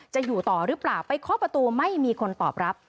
จะอยู่ต่อหรือเปล่าไปเคาะประตูไม่มีคนตอบรับ